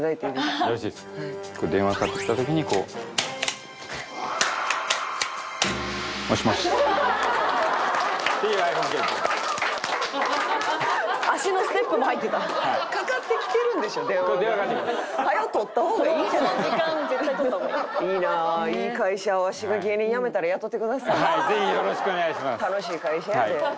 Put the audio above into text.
楽しい会社やで。